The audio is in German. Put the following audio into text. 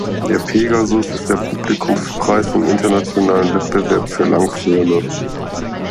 Der Pegasus ist der Publikumspreis im internationalen Wettbewerb für Langfilme.